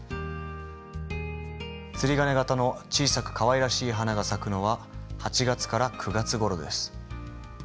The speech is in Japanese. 釣り鐘型の小さくかわいらしい花が咲くのは８月から９月ごろです。